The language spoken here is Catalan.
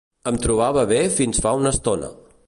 Em trobava bé fins fa una estona.